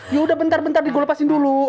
yaudah bentar bentar gue lepasin dulu